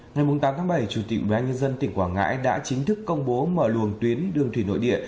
ngày tám tháng bảy chủ tịch ubnd tỉnh quảng ngãi đã chính thức công bố mở luồng tuyến đường thủy nội địa